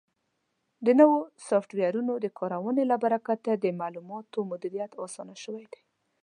د نوو سافټویرونو د کارونې له برکت د معلوماتو مدیریت اسان شوی دی.